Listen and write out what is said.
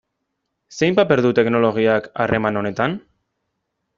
Zein paper du teknologiak harreman honetan?